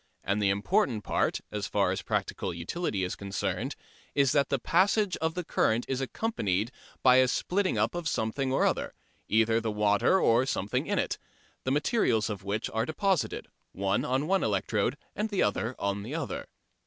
And the important point, as far as practical utility is concerned, is that the passage of the current is accompanied by a splitting up of something or other, either the water or something in it, the materials of which are deposited, one on one electrode and the other on the other.